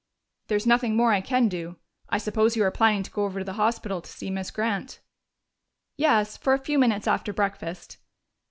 "There's nothing more I can do. I suppose you are planning to go over to the hospital to see Miss Grant?" "Yes, for a few minutes after breakfast.